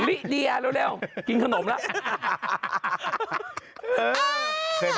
ลิเดียเร็วกินขนมแล้ว